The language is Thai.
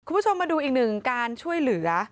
คุณผู้ชมมาดูอีกหนึ่งการช่วยเหลือ